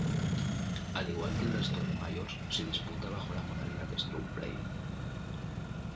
Al igual que el resto de "majors" se disputa bajo la modalidad Stroke Play.